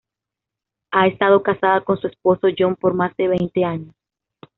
Ha estado casada con su esposo John por más de veinte años.